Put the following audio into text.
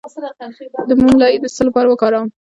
د موم لایی د څه لپاره وکاروم؟